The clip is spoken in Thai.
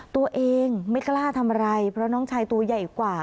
ตัวเองไม่กล้าทำอะไรเพราะน้องชายตัวใหญ่กว่า